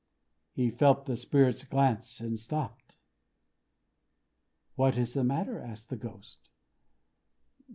He felt the Spirit's glance, and stopped. "What is the matter?" asked the Ghost.